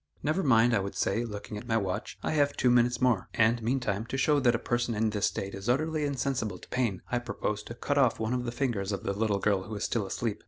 "Never mind," I would say, looking at my watch; "I have two minutes more, and meantime, to show that a person in this state is utterly insensible to pain, I propose to cut off one of the fingers of the little girl who is still asleep."